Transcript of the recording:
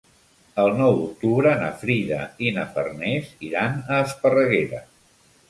El nou d'octubre na Frida i na Farners iran a Esparreguera.